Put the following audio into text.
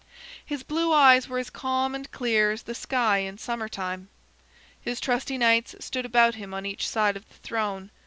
His blue eyes were as calm and clear as the sky in summer time. His trusty knights stood about him on each side of the throne.